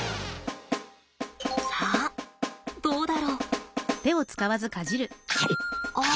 さあどうだろう？あ！